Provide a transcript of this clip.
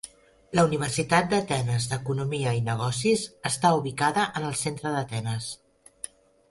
La Universitat d'Atenes d'Economia i Negocis està ubicada en el centre d'Atenes.